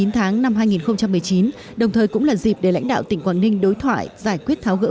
chín tháng năm hai nghìn một mươi chín đồng thời cũng là dịp để lãnh đạo tỉnh quảng ninh đối thoại giải quyết tháo gỡ